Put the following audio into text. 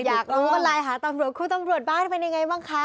อยากรู้ว่าไลน์หาตำรวจครูตำรวจบ้านเป็นยังไงบ้างคะ